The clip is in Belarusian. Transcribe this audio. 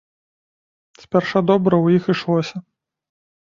Спярша добра ў іх ішлося.